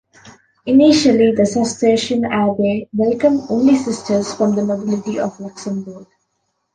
Initially, the Cistercian abbey welcomed only sisters from the nobility of Luxembourg.